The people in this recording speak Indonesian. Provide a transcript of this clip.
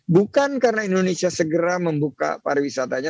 bukan karena indonesia segera membuka para wisatanya